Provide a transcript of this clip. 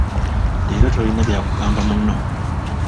Leero tolina by'akugamba munno.